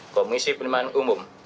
komisi pemilihan umum